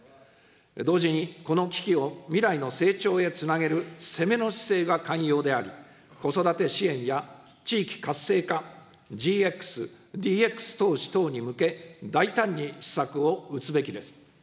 同時にこの危機を未来の成長へつなげる攻めの姿勢が肝要であり、子育て支援や地域活性化、ＧＸ、ＤＸ投資等に向け、大胆に施策を打つべきです。